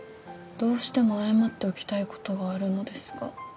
「どうしても謝っておきたいことがあるのですが」